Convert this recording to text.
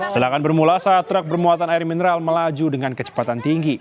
celakaan bermula saat truk bermuatan air mineral melaju dengan kecepatan tinggi